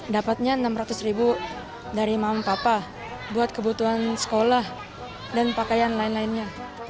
dapatnya rp enam ratus ribu dari mama papa buat kebutuhan sekolah dan pakaian lain lainnya